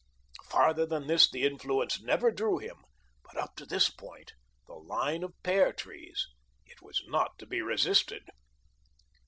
Farther than this the influence never drew him, but up to this point the line of pear trees it was not to be resisted.